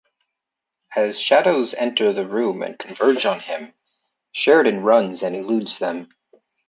As Shadows enter the room and converge on him, Sheridan runs and eludes them.